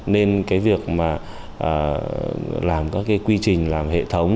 nên cái việc mà làm các cái quy trình làm hệ thống